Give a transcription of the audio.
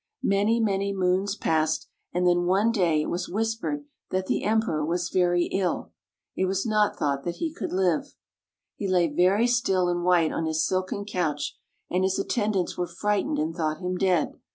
Many, many moons passed, and then one day it was whispered that the Emperor was very ill. It was not thought that he could live. He lay very still and white on his silken couch, and his attendants were frightened and thought him dead.